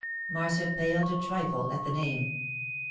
Marcia paled a trifle at the name.